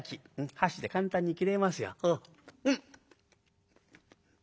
箸で簡単に切れますよ。